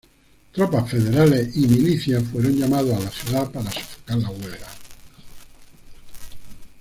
Tropas federales y milicia fueron llamados a la ciudad para sofocar la huelga.